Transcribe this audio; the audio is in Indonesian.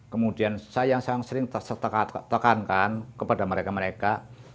kemudian saya yang sering tertekankan kepada mereka mereka